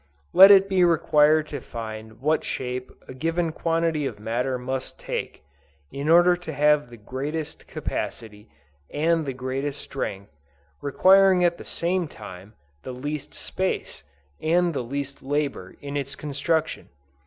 Let it be required to find what shape a given quantity of matter must take, in order to have the greatest capacity, and the greatest strength, requiring at the same time, the least space, and the least labor in its construction.